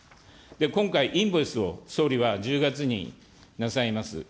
今回、インボイスを総理は１０月になさいます。